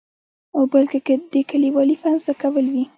او بل که د لیکوالۍ فن زده کول وي.